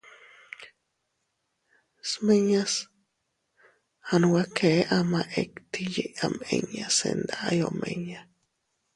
Smiñas a nwe kee ama itti yiʼi am inña, se nday omiña.